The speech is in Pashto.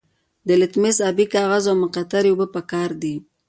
د لتمس ابي کاغذ او مقطرې اوبه پکار دي.